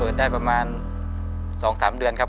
ต้นไม้ประจำจังหวัดระยองการครับ